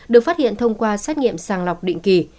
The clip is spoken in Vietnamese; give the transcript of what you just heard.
được phát hiện thông qua xét nghiệm sàng lọc định kỳ